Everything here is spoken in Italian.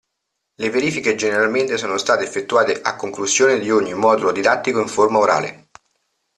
Le verifiche generalmente sono state effettuate a conclusione di ogni modulo didattico in forma orale.